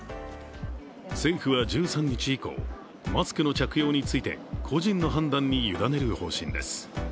政府は１３日以降、マスクの着用について個人の判断に委ねる方針です。